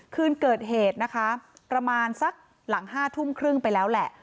คืนเกิดเหตุนะคะประมาณสักหลัง๕ทุ่มครึ่งไปแล้วแหละ